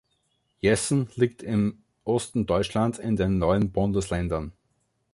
Jessen liegt im Osten Deutschlands in den neuen Bundesländern.